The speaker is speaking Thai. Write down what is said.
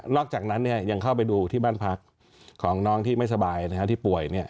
อกจากนั้นยังเข้าไปดูที่บ้านพักของน้องที่ไม่สบายที่ป่วย